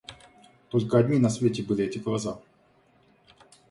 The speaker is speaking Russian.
Только одни на свете были эти глаза.